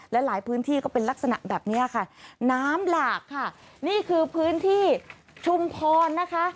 และหลายพื้นที่ก็เป็นลักษณะแบบเนี้ยค่ะน้ำหลากค่ะนี่คือพื้นที่ชุมพรนะคะ